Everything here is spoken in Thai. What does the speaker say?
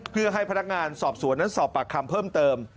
เพื่อให้พนักงานสอบสวนนั้นสอบปากคำเพิ่มเติม